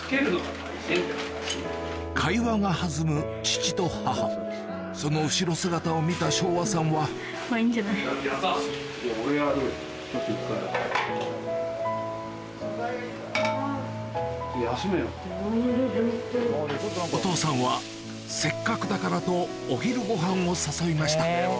会話が弾む父と母その後ろ姿を見た唱和さんはお父さんはせっかくだからとお昼ごはんを誘いました